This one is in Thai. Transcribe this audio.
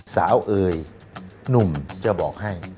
สาวเอยหนุ่มจะบอกให้